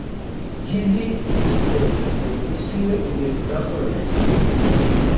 Jeezy rispose con un dissing indirizzato a Nas.